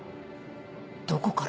どこから？